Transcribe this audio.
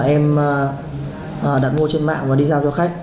em đặt mua trên mạng và đi giao cho khách